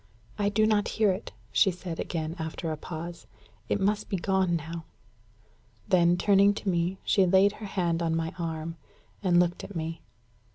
"I do not hear it," she said again, after a pause. "It must be gone now." Then, turning to me, she laid her hand on my arm, and looked at me.